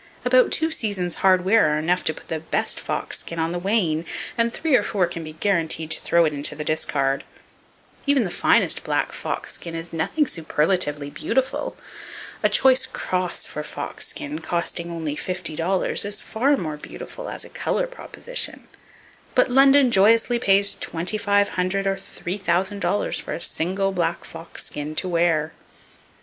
About two seasons' hard wear are enough to put the best fox skin on the wane, and three or four can be guaranteed to throw it into the discard. Even the finest black fox skin is nothing superlatively beautiful! A choice "cross" fox skin costing only $50 is far more beautiful, as a color proposition; but London joyously pays $2,500 or $3,000 for a single black fox skin, to wear!